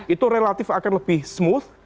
itu relatif akan lebih smooth